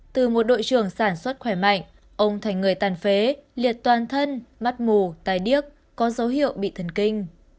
từ một đội trưởng sản xuất khỏe mạnh ông thành người tàn phế liệt toàn thân mắt mù tài điếc có dấu hiệu bị thần kinh